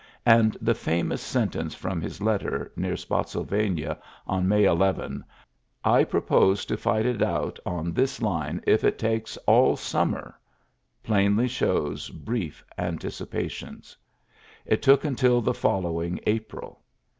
And the famous sentence from his letter near Spottsylvania on May 11, ^^I propose to fight it out on this line if it takes aU mmmery^^ plainly shows brief anticipa tions. It took until the following April.